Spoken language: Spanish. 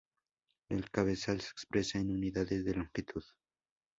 El cabezal se expresa en unidades de longitud.